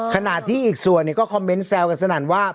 ขณะที่อีกส่วนก็คอมเมนต์แซวกันสนั่นว่า